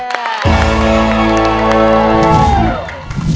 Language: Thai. มาก